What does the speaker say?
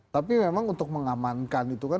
tapi memang untuk mengamankan itu kan